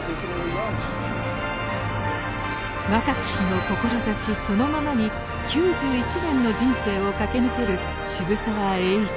若き日の志そのままに９１年の人生を駆け抜ける渋沢栄一。